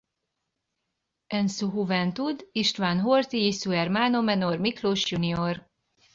En su juventud, István Horthy y su hermano menor Miklós Jr.